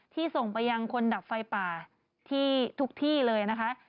ส่งไปยังคนดับไฟป่าที่ทุกที่เลยนะคะ